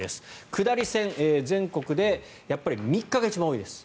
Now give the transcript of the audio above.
下り線、全国で３日が一番多いです。